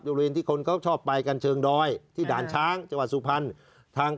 บริเวณที่คนเขาชอบไปกันเชิงดอยที่ด่านช้างจังหวัดสุพรรณ